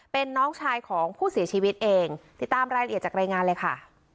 เป็นน้องชายของผู้เสียชีวิตเองติดตามรายละเอียดจากรายงานเลยค่ะ